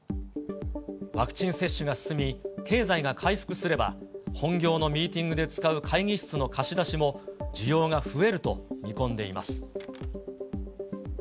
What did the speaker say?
ワクチン接種が進み、経済が回復すれば、本業のミーティングで使う会議室の貸し出しも需要が増えると見込んでいます。